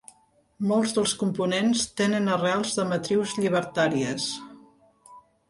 Molts dels components tenen arrels de matrius llibertaries.